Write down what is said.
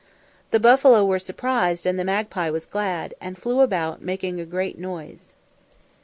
The buffalo were surprised and the magpie was glad, and flew about making a great noise.